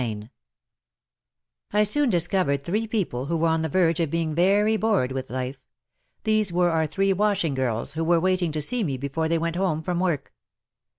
CHAPTER XX I SOON discovered three people who were on the verge of being very bored with life — these were our three washing girls, who were waiting to see me before they went home from work.